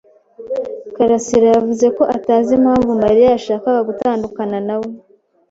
karasira yavuze ko atazi impamvu Mariya yashakaga gutandukana na we.